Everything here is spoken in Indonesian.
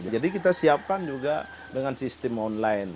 jadi kita siapkan juga dengan sistem online